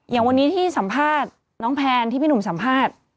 อย่างวันนี้ที่สัมภาษณ์น้องแพนที่พี่หนุ่มสัมภาษณ์